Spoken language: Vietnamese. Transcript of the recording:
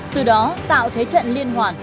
từ đó tạo thế trận liên hoàn